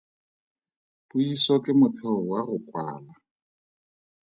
Puiso ke motheo wa go kwala.